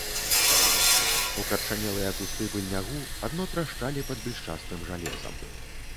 Укарчанелыя кусты быльнягу адно трашчалі пад блішчастым жалезам.